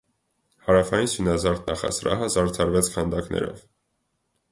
Հարավային սյունազարդ նախասրահը զարդարվեց քանդակներով։